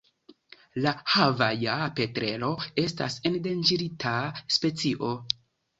La Havaja petrelo estas endanĝerita specio.